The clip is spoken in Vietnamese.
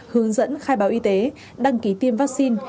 hướng dẫn khai báo y tế đăng ký tiêm vaccine